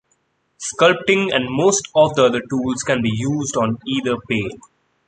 Sculpting and most of the other tools can be used on either pane.